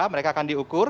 mereka akan diukur